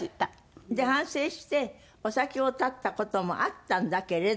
反省してお酒を断った事もあったんだけれど。